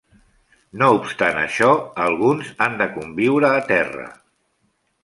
No obstant això, alguns han de conviure en terra.